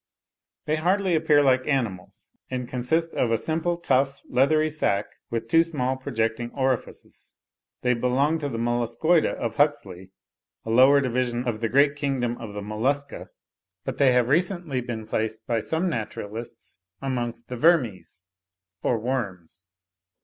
They hardly appear like animals, and consist of a simple, tough, leathery sack, with two small projecting orifices. They belong to the Mulluscoida of Huxley—a lower division of the great kingdom of the Mollusca; but they have recently been placed by some naturalists amongst the Vermes or worms.